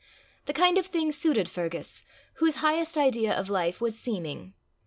The kind of thing suited Fergus, whose highest idea of life was seeming.